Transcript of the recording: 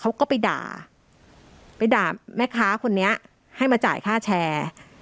เขาก็ไปด่าไปด่าแม่ค้าคนนี้ให้มาจ่ายค่าแชร์